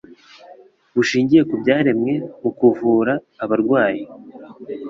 bushingiye ku byaremwe, mu kuvura abarwayi.